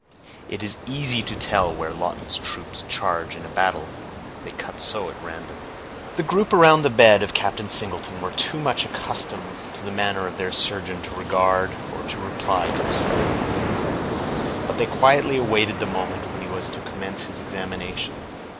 It is easy to tell where Lawton's troops charge in a battle, they cut so at random." The group around the bed of Captain Singleton were too much accustomed to the manner of their surgeon to regard or to reply to his soliloquy; but they quietly awaited the moment when he was to commence his examination.